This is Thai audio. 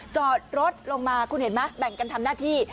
จอดรถลงมาคุณเห็นไหมแบ่งกันทำหน้าที่